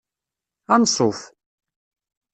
Anṣuf!